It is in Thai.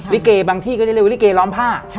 ลิเกบางที่ก็จะเรียกว่าลิเกล้อมผ้า